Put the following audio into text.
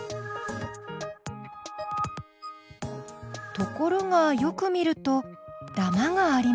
ところがよく見ると「だま」があります。